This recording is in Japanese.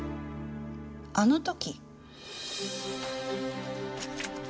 あの時？